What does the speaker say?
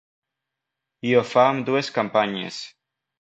I ho fa amb dues campanyes.